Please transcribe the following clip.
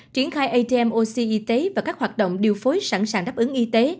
triển khai atm oc y tế và các hoạt động điều phối sẵn sàng đáp ứng y tế